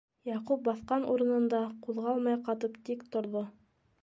Яҡуп баҫҡан урынында ҡуҙғалмай ҡатып тик торҙо.